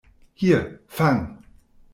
Hier, fang!